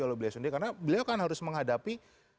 oleh beliau sendiri karena beliau kan harus menghadapi